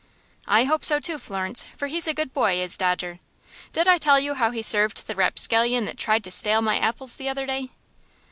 "I hope so, too, Florence, for he's a good boy, is Dodger. Did I tell you how he served the rapscallion that tried to stale my apples the other day?"